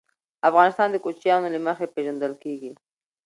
افغانستان د کوچیانو له مخي پېژندل کېږي.